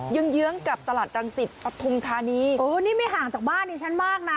ยื้องกับตลาดตรงสิทธิ์ปทุมธานีนี่ไม่ห่างจากบ้านในชั้นมากนะ